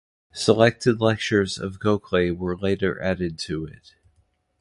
Selected lectures of Gokhale were later added to it.